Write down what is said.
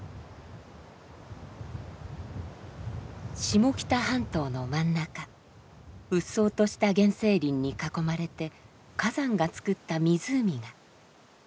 下北半島の真ん中鬱蒼とした原生林に囲まれて火山がつくった湖が。